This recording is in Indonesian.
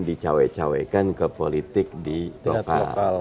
dicawai cawaikan ke politik di lokal